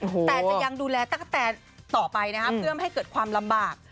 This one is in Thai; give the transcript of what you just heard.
แต่จะยังดูแลตะกะแตนต่อไปนะครับเพื่อไม่ให้เกิดความลำบาก